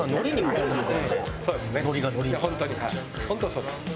そうですね